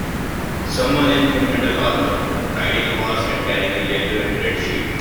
Someone in thinmetal armor, riding a horse and carrying a yellow and red shield.